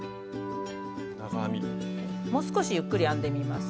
もう少しゆっくり編んでみます。